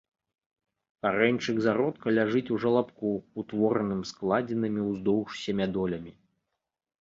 Карэньчык зародка ляжыць у жалабку, утвораным складзенымі ўздоўж семядолямі.